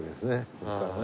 ここからね。